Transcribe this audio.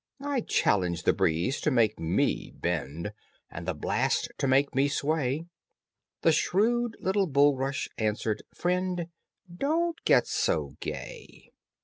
I challenge the breeze to make me bend, And the blast to make me sway." The shrewd little bulrush answered, "Friend, Don't get so gay."